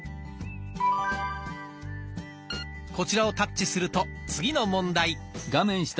こちらをタッチすると次の問題。